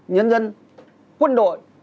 nhân dân quân đội